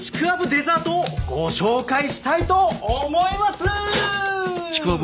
デザートをご紹介したいと思いますー！